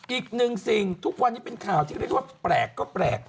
อีกหนึ่งสิ่งทุกวันนี้เป็นข่าวที่เรียกว่าแปลกก็แปลก